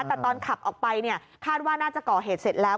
แต่ตอนขับออกไปเนี่ยคาดว่าน่าจะก่อเหตุเสร็จแล้ว